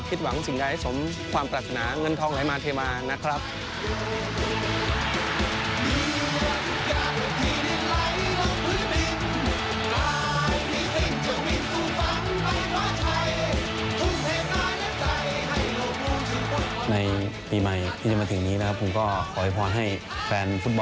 หวังสิ่งใดให้สมความปรารถนาเงินทองไหลมาเทมานะครับ